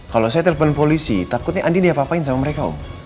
kalau saya telepon polisi takutnya andi diapa apain sama mereka om